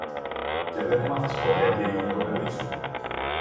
Και δεν έμαθες ποτέ τι έγινε το παιδί σου;